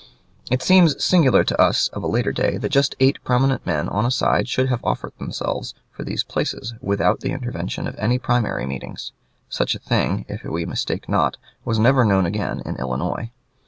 It seems singular to us of a later day that just eight prominent men, on a side, should have offered themselves for these places, without the intervention of any primary meetings. Such a thing, if we mistake not, was never known again in Illinois.